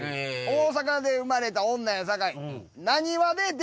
大阪で生まれた女やさかい。